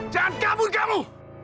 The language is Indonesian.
jangan kabur kamu